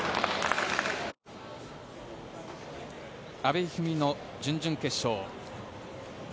阿部一二三の準々決勝。